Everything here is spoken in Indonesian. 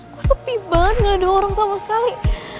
kok sepi banget gak ada orang sama sekali